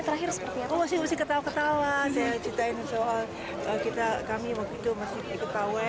saya terakhir seperti itu